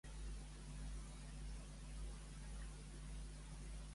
Si hi hagués el Tribunal Suprem, per quina cosa els acusaria?